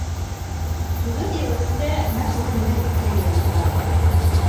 Туғыҙ йыл эсендә нәҡ үҙемдең Тренерымды таптым.